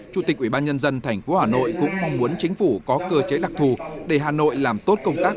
chủ tịch ubnd tp hà nội cũng mong muốn chính phủ có cơ chế đặc thù để hà nội làm tốt công tác